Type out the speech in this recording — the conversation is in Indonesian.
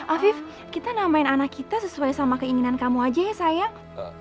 afif kita namain anak kita sesuai sama keinginan kamu aja ya sayang